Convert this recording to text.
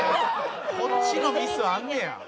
こっちのミスあんねや。